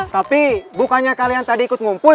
tapi bukannya kalian tadi ikut ngumpul